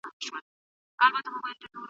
عزتمن قومونه هیڅکله بل ته سر نه ټیټوی.